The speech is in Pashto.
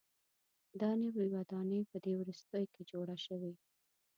دا نوې ودانۍ په دې وروستیو کې جوړه شوې.